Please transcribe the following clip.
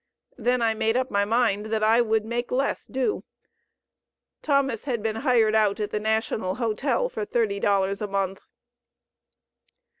Then I made up my mind that I would make less do." Thomas had been hired out at the National Hotel for thirty dollars a month.